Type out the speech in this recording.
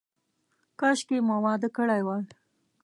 کاشکې مو واده کړی وای.